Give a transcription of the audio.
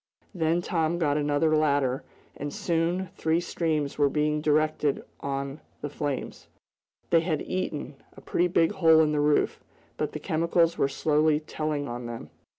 Then Tom got another ladder, and soon three streams were being directed on the flames. They had eaten, a pretty big hole in the roof, but the chemicals were slowly telling on them.